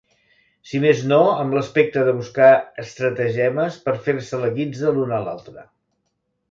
Si mes no amb l'aspecte de buscar estratagemes per fer-se la guitza l'un a l'altre.